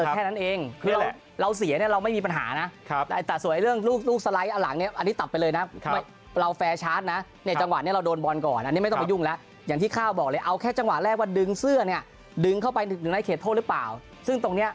แค่นั้นเองคือเราเสียเนี่ยเราไม่มีปัญหานะแต่ส่วนเรื่องลูกสไลด์อันหลังเนี่ยอันนี้ตัดไปเลยนะเราแฟร์ชาร์จนะเนี่ยจังหวะนี้เราโดนบอลก่อนอันนี้ไม่ต้องไปยุ่งแล้วอย่างที่ข้าวบอกเลยเอาแค่จังหวะแรกว่าดึงเสื้อเนี่ยดึงเข้าไปถึงในเขตโทษหรือเปล่าซึ่งตรงเนี้ย